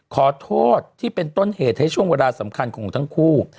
ขอโทษที่เป็นต้นเหตุให้ช่วงเวลาสำคัญของทั้งคู่